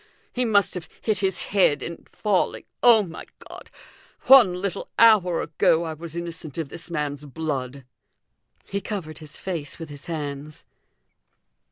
He must have hit his head in falling. Oh, my God! one little hour a go I was innocent of this man's blood!" He covered his face with his hands.